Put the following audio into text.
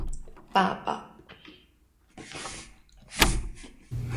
爸爸